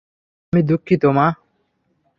আমি দুঃখিত, মা।